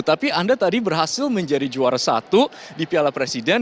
tapi anda tadi berhasil menjadi juara satu di piala presiden